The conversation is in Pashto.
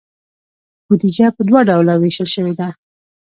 بودیجه په دوه ډوله ویشل شوې ده.